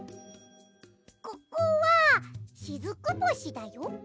ここはしずく星だよ？